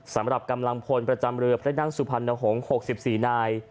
สำหรับกำลังพลประจำเรือพระนั่งสุพรรณหงษ์๖๔นาย